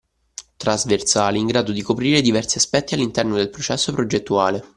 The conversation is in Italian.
Trasversali in grado di coprire diversi aspetti all’interno del processo progettuale